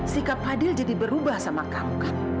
sikap fadil jadi berubah sama kamu